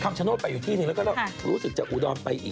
คำชะโน่ไปอยู่ที่นี่แล้วก็เรารู้สึกจะอุดอมไปอีก